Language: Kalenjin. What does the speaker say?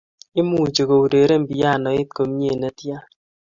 Imuchi koureren pianoit komie netia